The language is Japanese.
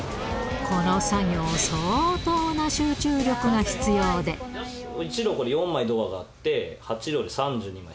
この作業、相当な集中力が必１両、これ４枚のドアがあって、８両で３２枚、